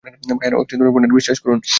ভাইয়েরা ও বোনেরা, বিশ্বাস করুন।